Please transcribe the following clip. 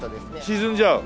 沈んじゃう？